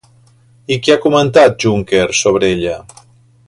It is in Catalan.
I què ha comentat Juncker sobre ella?